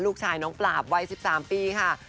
ลูกชายน้องปราบวัย๑๓ปีค่ะ